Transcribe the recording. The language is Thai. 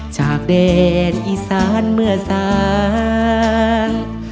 จากแดนอีสานเมื่อสาน